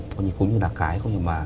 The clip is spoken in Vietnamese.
cũng như là cái